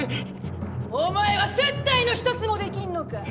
お前は接待の一つもできんのか！